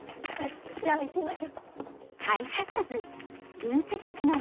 じゃあ行きましょ。